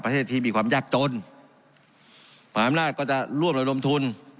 ประเทศที่มีความยากจนหมาธรรมดาชก็จะร่วมโดยลงทุน